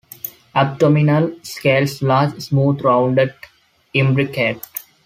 Abdominal scales large, smooth, rounded, imbricate.